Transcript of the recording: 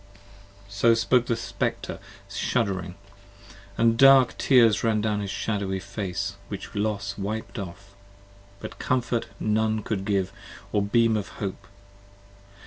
60 So spoke the Spectre shudd'ring, & dark tears ran down his shadowy face Which Los wiped off, but comfort none could give, or beam of hope.